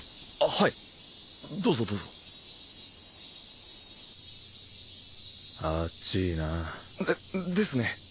はいどうぞどうぞあちいなでですね